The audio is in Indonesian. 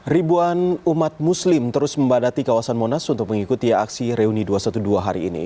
ribuan umat muslim terus membadati kawasan monas untuk mengikuti aksi reuni dua ratus dua belas hari ini